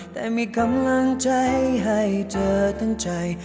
แต่มีกำลังใจให้เธอทั้งใจ